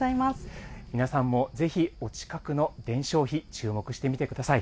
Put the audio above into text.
皆さんもぜひお近くの伝承碑、注目してみてください。